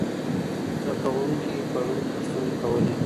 زده کوونکي پرون پوښتنې کولې.